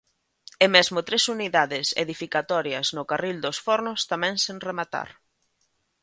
E mesmo tres unidades edificatorias no Carril dos Fornos tamén sen rematar.